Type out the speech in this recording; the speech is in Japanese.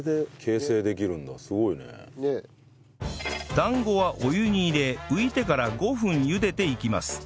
団子はお湯に入れ浮いてから５分ゆでていきます